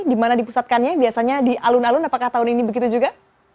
di mana dipusatkannya biasanya di alun alun apakah tahun ini begitu juga